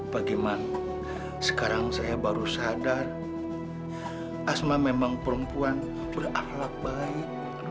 bagaimana sekarang saya baru sadar asma memang perempuan berakhlak baik